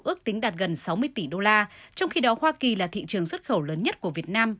ước tính đạt gần sáu mươi tỷ đô la trong khi đó hoa kỳ là thị trường xuất khẩu lớn nhất của việt nam